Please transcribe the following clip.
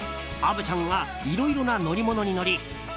虻ちゃんがいろいろな乗り物に乗り